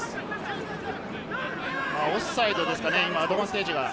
オフサイドですかね？